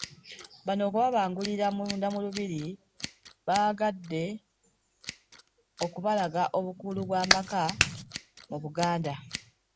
Bano okubabangulira munda mu Lubiri baagadde okubalaga obukulu bw'amaka mu Buganda.